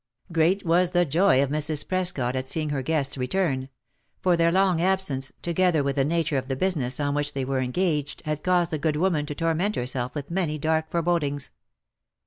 Great was the joy of Mrs.Prescot at seeing her guests return ; for their long absence, together with the nature of the business on which they were engaged had caused the good woman to torment herself with many dark forebodings.